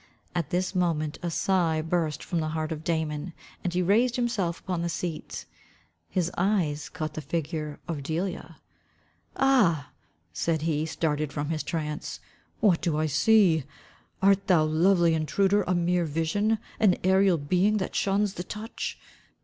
At this moment a sigh burst from the heart of Damon, and he raised himself upon the seat. His eyes caught the figure of Delia. "Ah," said he, starting from his trance, "what do I see? Art thou, lovely intruder, a mere vision, an aerial being that shuns the touch?"